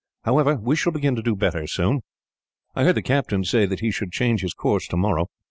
However, we shall begin to do better, soon. I heard the captain say that he should change his course tomorrow.